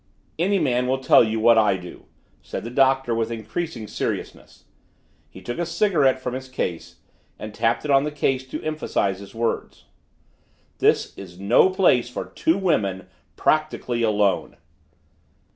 "Any man will tell you what I do," said the Doctor with increasing seriousness. He took a cigarette from his case and tapped it on the case to emphasize his words. "This is no place for two women, practically alone."